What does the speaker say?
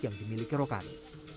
yang dimiliki rokani